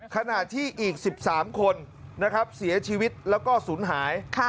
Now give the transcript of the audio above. ขณะที่อีก๑๓คนเสียชีวิตแล้วก็สูญหาย